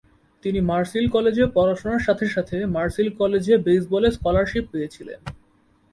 তিনি Mars Hill College এ পড়াশোনার সাথে সাথে মার্স হিল কলেজ এ বেসবল এ স্কলারশিপ পেয়েছিলেন।